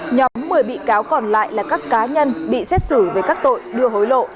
nhóm một mươi bị cáo còn lại là các cá nhân bị xét xử về các tội đưa hối lộ